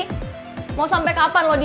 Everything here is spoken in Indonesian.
kalo kamu jentol kamu kasih tau apa yang terjadi